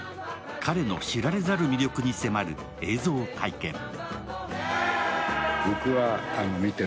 彼の知られざる魅力に迫る映像体験。